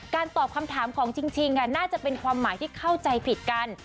ตอบคำถามของจริงค่ะน่าจะเป็นความหมายที่เข้าใจผิดกัน